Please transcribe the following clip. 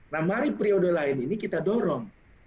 nah mari periode lain ini kita dorong